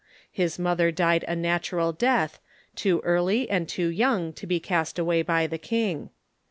His mother died a natural death, too early and too young to be cast away by the king.